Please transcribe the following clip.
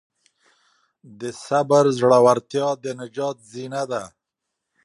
د صبر زړورتیا د نجات زینه ده.